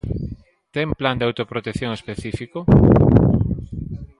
¿Ten Plan de autoprotección específico?